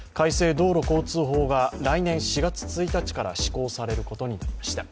道路交通法が、来年４月１日から施行されることになりました。